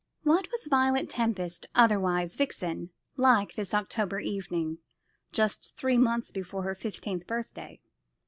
What was Violet Tempest, otherwise Vixen, like, this October evening, just three months before her fifteenth birthday?